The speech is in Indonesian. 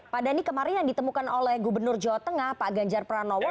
pak dhani kemarin yang ditemukan oleh gubernur jawa tengah pak ganjar pranowo